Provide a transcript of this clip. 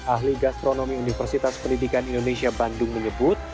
ahli gastronomi universitas pendidikan indonesia bandung menyebut